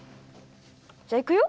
じゃいくよ。